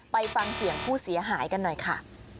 ไปฟังเสียงผู้เสียหายกันหน่อยค่ะ